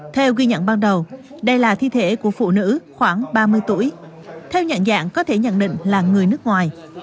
theo ghi nhận ban đầu đây là thi thể của phụ nữ khoảng ba mươi tuổi theo nhận dạng có thể nhận định là người nước ngoài